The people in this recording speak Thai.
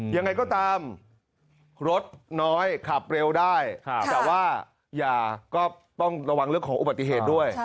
ยังไงก็ตามรถน้อยขับเร็วได้แต่ว่าอย่าก็ต้องระวังเรื่องของอุบัติเหตุด้วย